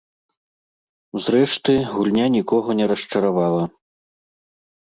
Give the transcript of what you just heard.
Зрэшты, гульня нікога не расчаравала.